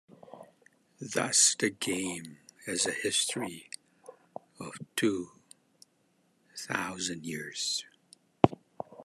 Thus the game has a history of two thousand years.